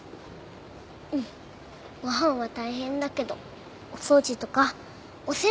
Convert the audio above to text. うんご飯は大変だけどお掃除とかお洗濯とか。